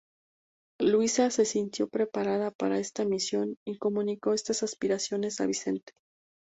Luisa se sintió preparada para esta misión y comunicó estas aspiraciones a Vicente.